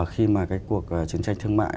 khi mà cái cuộc chiến tranh thương mại